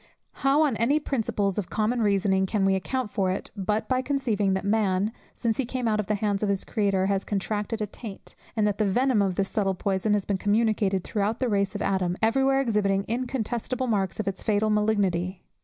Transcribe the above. How, on any principles of common reasoning, can we account for it, but by conceiving that man, since he came out of the hands of his Creator, has contracted a taint, and that the venom of this subtle poison has been communicated throughout the race of Adam, every where exhibiting incontestible marks of its fatal malignity?